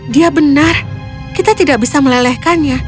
dia benar kita tidak bisa melelehkannya